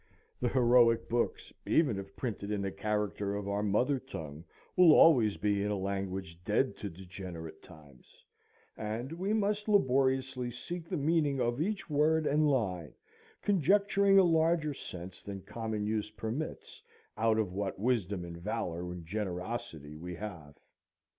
The heroic books, even if printed in the character of our mother tongue, will always be in a language dead to degenerate times; and we must laboriously seek the meaning of each word and line, conjecturing a larger sense than common use permits out of what wisdom and valor and generosity we have.